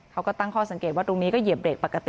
เขาก็ตั้งข้อสังเกตว่าตรงนี้ก็เหยียบเบรกปกติ